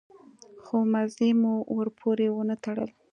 خو مزي مې ورپورې ونه تړل.